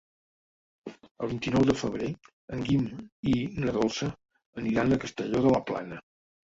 El vint-i-nou de febrer en Guim i na Dolça aniran a Castelló de la Plana.